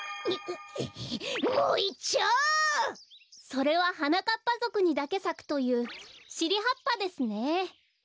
それははなかっぱぞくにだけさくというしりはっぱですね。